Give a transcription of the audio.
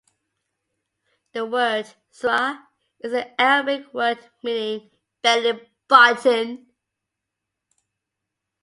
The word "Surra" is an Arabic word meaning belly button.